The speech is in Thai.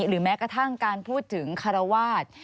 หรือแม้กระทั่งการพูดถึงคารวาส